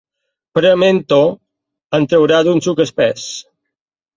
Prement-ho en trauràs un suc espès.